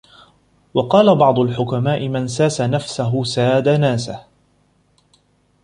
وَقَالَ بَعْضُ الْحُكَمَاءِ مَنْ سَاسَ نَفْسَهُ سَادَ نَاسَهُ